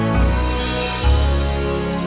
ya mbak aku tolong